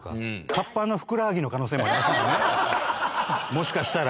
もしかしたら。